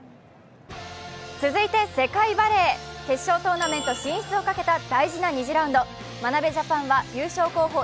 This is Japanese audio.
続いて世界バレー。決勝トーナメント進出をかけた大事な２次ラウンド眞鍋ジャパンは優勝候補